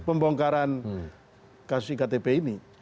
pembongkaran kasus iktp ini